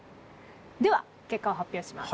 では結果を発表します。